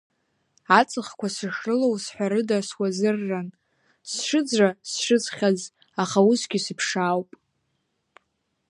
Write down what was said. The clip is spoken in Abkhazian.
Аҵхқәа сышрылоу зҳәарыда суазырран, сшыӡра сшыӡхьаз, аха усгьы сыԥшаауп.